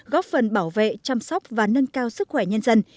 góp phần bảo vệ chăm sóc và nâng cao sức khỏe nhân dân